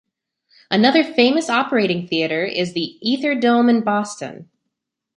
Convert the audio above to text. Another famous operating theater is the Ether Dome in Boston.